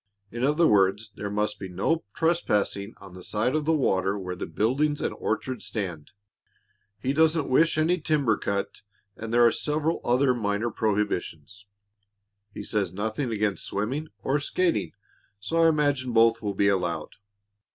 In other words, there must be no trespassing on the side of the water where the buildings and orchard stand. He doesn't wish any timber cut, and there are several other minor prohibitions. He says nothing against swimming or skating, so I imagine both will be allowed.